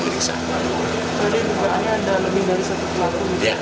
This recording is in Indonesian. jadi keberaniannya ada lebih dari satu kelaku